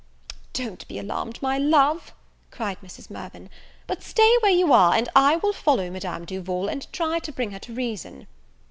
"Don't be alarmed, my love," cried Mrs. Mirvan, "but stay where you are, and I will follow Madame Duval, and try to bring her to reason."